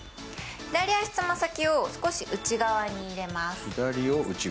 左足爪先を少し内側に入れます。